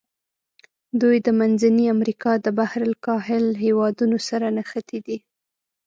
دوی د منځني امریکا د بحر الکاهل هېوادونو سره نښتي دي.